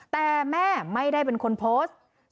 แต่แม่ไม่ได้เป็นคนโพสต์